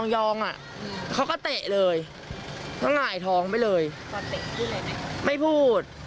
ตอนเตะพูดอะไรไม่พูด